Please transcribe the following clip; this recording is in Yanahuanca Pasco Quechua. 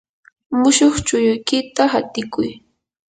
mushuq chukuykita hatikuy.